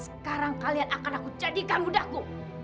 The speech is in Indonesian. sekarang kalian akan aku jadikan mudaku